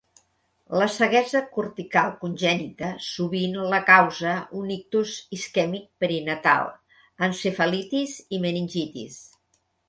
La ceguesa cortical congènita sovint la causa un ictus isquèmic perinatal, encefalitis i meningitis.